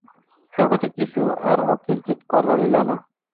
জগতে কিছু আর অকিঞ্চিৎকর রহিল না।